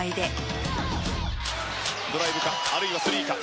ドライブかあるいはスリーか。